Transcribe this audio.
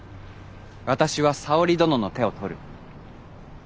私は沙織殿の手を取る。